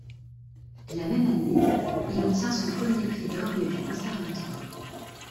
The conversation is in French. La même année, il obtient son Premier Prix d’orgue du Conservatoire.